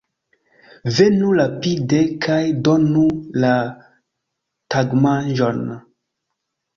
Venu rapide kaj donu la tagmanĝon!